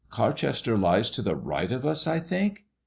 ''Carchester lies to the right of OS, I think."